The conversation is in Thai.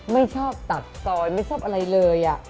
ไม่ชอบตัดซอยไม่ชอบอะไรเลย